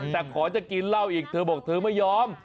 แต่ขอจะกินเหล้าอีกเธอบอกเธอไม่ยอม